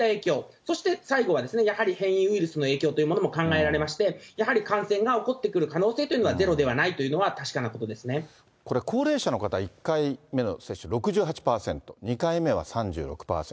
そして最後はやはり変異ウイルスの影響というものも考えられまして、やはり感染が起こってくる可能性というのは、ゼロではないとこれ、高齢者の方、１回目の接種６８％、２回目は３６％。